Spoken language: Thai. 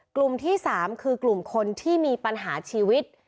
กลุ่มที่๓คือกลุ่มคนที่มีปัญหาชีวิต